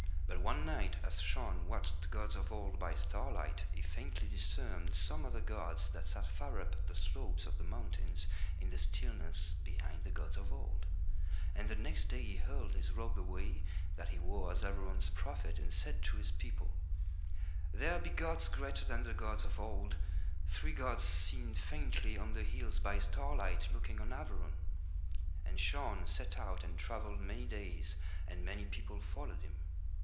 But one night as Shaun watched the gods of Old by starlight, he faintly discerned some other gods that sat far up the slopes of the mountains in the stillness behind the gods of Old. And the next day he hurled his robe away that he wore as Averon's prophet and said to his people: "There be gods greater than the gods of Old, three gods seen faintly on the hills by starlight looking on Averon." And Shaun set out and travelled many days and many people followed him.